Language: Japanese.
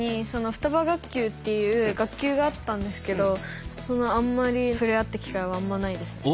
学級っていう学級があったんですけどあんまり触れ合った機会はあんまないですね。